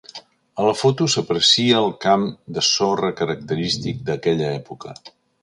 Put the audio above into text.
A la foto s’aprecia el camp de sorra característic d’aquella època.